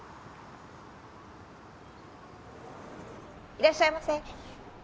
いらっしゃいませ。